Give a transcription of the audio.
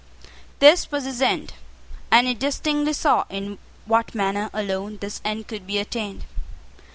This was his end; and he distinctly saw in what manner alone this end could be attained.